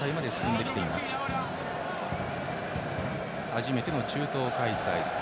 初めての中東開催。